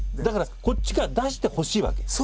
だからこっちから出してほしいわけ？